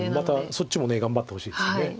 またそっちも頑張ってほしいですよね。